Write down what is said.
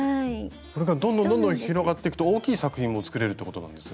これがどんどんどんどん広がってくと大きい作品も作れるってことなんですよね。